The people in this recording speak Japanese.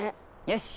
よし！